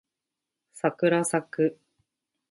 さくらさく